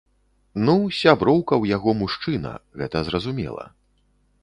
Ну, сяброўка ў яго мужчына, гэта зразумела.